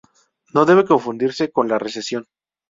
No debe confundirse con la recesión.